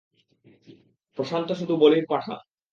প্রশান্ত শুধু বলির পাঁঠা।